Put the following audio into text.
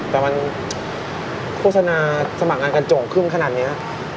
แต่มันโฆษณาสมัครงานกันโจ่งขึ้นขนาดนี้